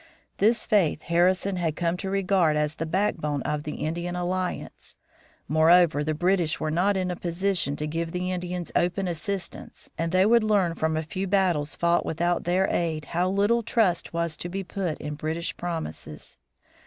This faith Harrison had come to regard as the backbone of the Indian alliance. Moreover, the British were not in a position to give the Indians open assistance and they would learn from a few battles fought without their aid how little trust was to be put in British promises.